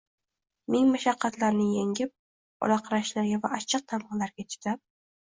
ming mashaqqatlarni yengib, olaqarashlarga va achchiq tamg‘alarga chidab